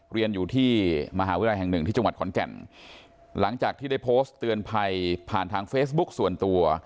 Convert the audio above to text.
เรียนอยู่ที่มหาวิทยาลัยแห่งหนึ่งที่จังหวัดขอนแก่นหลังจากที่ได้โพสต์เตือนภัยผ่านทางเฟซบุ๊คส่วนตัว